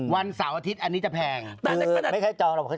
วันเสาร์อาทิตย์อันนี้จะแพง